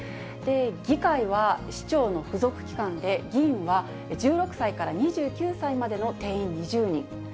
議会は市長の附属機関で、議員は１６歳から２９歳までの定員２０人。